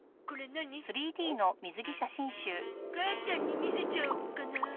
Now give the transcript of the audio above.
母ちゃんに見せちゃおうかな。